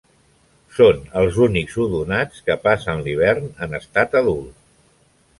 Són els únics odonats que passen l'hivern en estat adult.